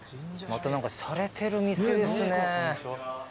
また何かしゃれてる店ですね。